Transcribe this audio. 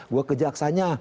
gue ke jaksanya